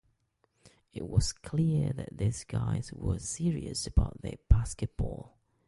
It was clear that these guys were serious about their basketball.